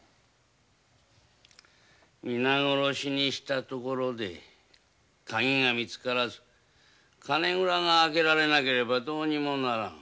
皆殺しにしたところで鍵が見つからず金蔵が開けられなければどうにもならぬ。